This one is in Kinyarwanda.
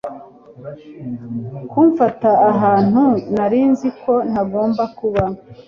Kumfata ahantu nari nzi ko ntagomba kuba